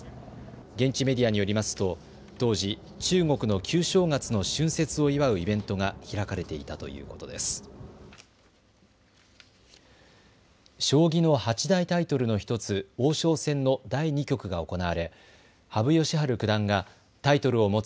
現地メディアによりますと当時、中国の旧正月の春節を祝うイベントが開かれていたということです。